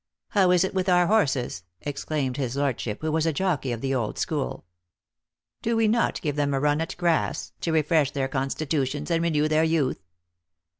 How is it with our horses," exclaimed his lordship, who was a jockey of the old school. "Do we not give them a run at grass, to refresh their constitutions and renew their youth